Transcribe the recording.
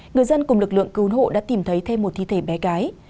người dân cùng lực lượng cứu hộ đã tìm thấy thêm một thi thể bé gái